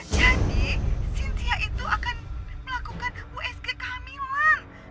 jadi cynthia itu akan melakukan usg kehamilan